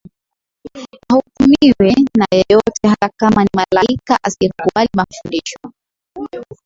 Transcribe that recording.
yahukumiwe na yeyote hata kama ni malaika Asiyekubali mafundisho